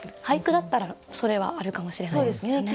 俳句だったらそれはあるかもしれないですけどね。